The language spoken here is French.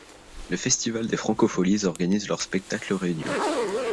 Le festival des FrancoFolies organise leur spectacle réunion.